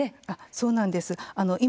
そうなんです。